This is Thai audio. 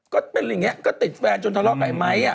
ก็เป็นอย่างนี้ก็ติดแฟนจนทะเลาะกับไอ้ไม้